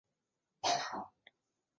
类似定义可以照搬至右模的情况。